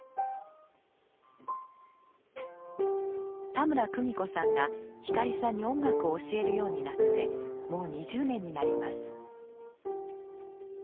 田村久美子さんが光さんに音楽を教えるようになってもう２０年になります。